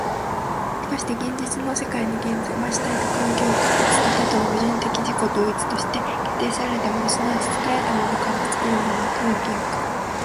しかして現実の世界の現在は、主体と環境と、一と多との矛盾的自己同一として、決定せられたもの即ち作られたものから、作るものへと動き行く。